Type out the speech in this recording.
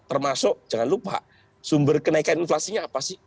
termasuk jangan lupa sumber kenaikan inflasinya apa sih